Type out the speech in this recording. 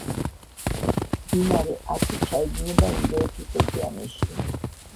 მდინარე ათი ჩაედინება ინდოეთის ოკეანეში.